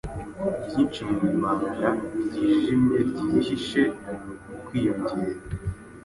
Byinshi Mu ibanga ryijimye ryihishe mu kwiyongera